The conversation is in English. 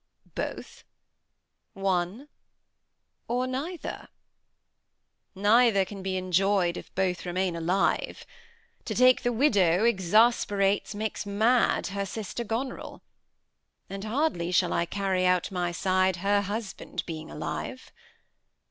Both? one? or neither? Neither can be enjoy'd, If both remain alive. To take the widow Exasperates, makes mad her sister Goneril; And hardly shall I carry out my side, Her husband being alive.